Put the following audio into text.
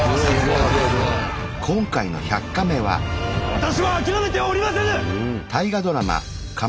私は諦めてはおりませぬ！